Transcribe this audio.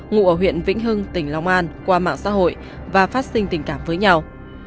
ngụ ở huyện vĩnh hưng tỉnh long an qua mạng xã hội và phát sinh tình cảm với nhau